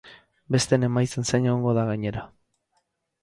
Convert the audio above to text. Besteen emaitzen zain egongo da, gainera.